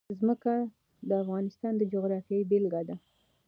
ځمکه د افغانستان د جغرافیې بېلګه ده.